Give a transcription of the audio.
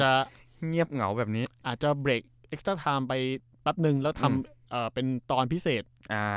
จะเงียบเหงาแบบนี้อาจจะไปปั๊บหนึ่งแล้วทำอ่าเป็นตอนพิเศษอ่า